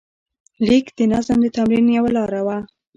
لیک د نظم د تمرین یوه لاره وه.